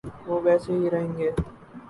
‘وہ ویسے ہی رہیں گے۔